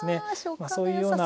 まあそういうような。